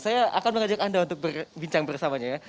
saya akan mengajak anda untuk berbincang bersamanya ya